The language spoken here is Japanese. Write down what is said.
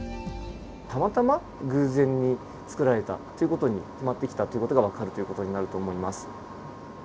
たまたま偶然につくられたという事に決まってきたという事がわかるという事になると思います。